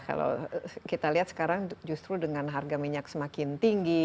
kalau kita lihat sekarang justru dengan harga minyak semakin tinggi